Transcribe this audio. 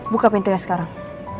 buka pintunya sekarang